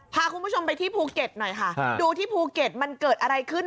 พาคุณผู้ชมไปที่ภูเก็ตหน่อยค่ะดูที่ภูเก็ตมันเกิดอะไรขึ้น